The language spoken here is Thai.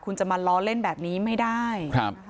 คุณจะมาล้อเล่นแบบนี้ไม่ได้ครับ